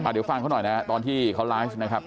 เดี๋ยวฟังเขาหน่อยนะตอนที่เขาไลฟ์นะครับ